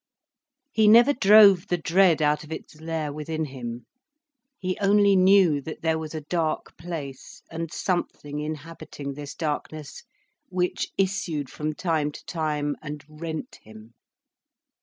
He never drove the dread out of its lair within him. He only knew that there was a dark place, and something inhabiting this darkness which issued from time to time and rent him.